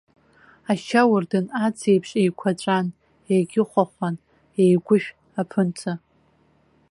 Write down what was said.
Ашьауардын ац еиԥш еиқәаҵәан, егьыхәахәан иеигәышә аԥынҵа.